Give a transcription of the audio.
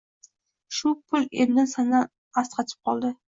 Shu pul endn asqatib qoldi.